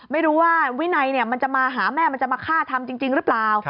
ไม่รู้ว่าวินัยมันจะมาหาแม่มันจะมาฆ่าทำจริงหรือเปล่า